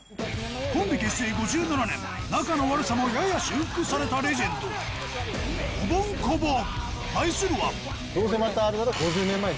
コンビ結成５７年仲の悪さもやや修復されたレジェンド対するはどうせまた。